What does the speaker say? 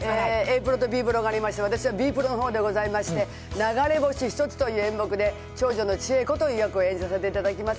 プロとＢプロがありまして、私はＢプロのほうでございまして、流れ星ひとつという演目で、長女の千代子という役を演じさせていただきます。